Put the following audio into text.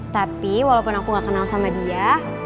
tapi walaupun aku gak kenal sama dia